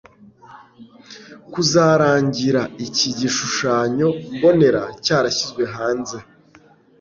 kuzarangira iki gishushanyo mbonera cyarashyizwe hanze.